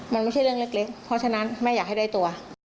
มันไม่ใช่เรื่องเล็กเพราะฉะนั้นแม่อยากให้ได้ตัว